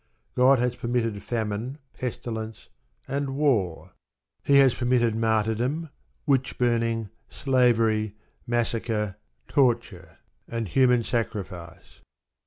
God has permitted famine, pestilence, and war. He has permitted martyrdom, witch burning, slavery, massacre, torture, and human sacrifice.